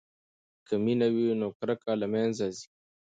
که مینه وي نو کرکه له منځه ځي.